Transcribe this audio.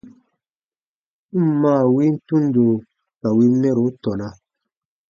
N ǹ maa win tundo ka win mɛro tɔna.